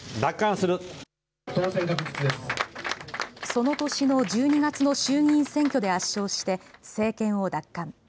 その年の１２月の衆議院選挙で圧勝して政権を奪還。